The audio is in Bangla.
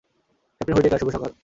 ক্যাপ্টেন হুইটেকার, শুভ সকাল।